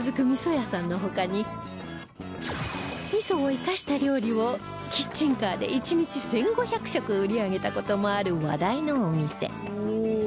味噌を生かした料理をキッチンカーで１日１５００食売り上げた事もある話題のお店